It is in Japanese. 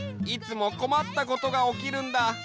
いつもこまったことがおきるんだ。